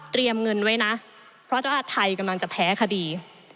เงินไว้นะเพราะถ้าไทยกำลังจะแพ้คดี